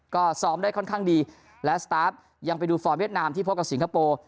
ก็ซ้อมได้ค่อนข้างดีและสตาฟยังไปดูฟอร์มเวียดนามที่พบกับสิงคโปร์